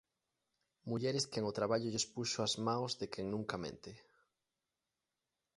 Mulleres quen o traballo lles puxo as maos de quen nunca mente.